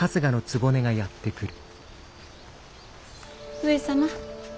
上様。